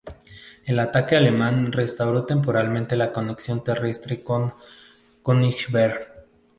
El ataque alemán restauró temporalmente la conexión terrestre con Königsberg.